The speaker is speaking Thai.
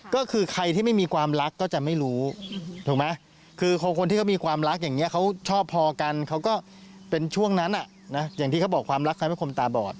ก็คือใครที่ไม่มีความรักก็จะไม่รู้ถูกไหม